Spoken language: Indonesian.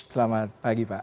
selamat pagi pak